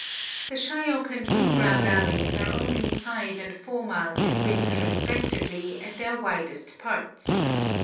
The Shayok and Nubra valleys are only five and four miles in width respectively at their widest parts.